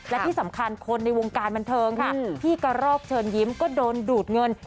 และที่สำคัญคนในวงการบันเทิงค่ะพี่กระรอกเชิญยิ้มก็โดนดูดเงิน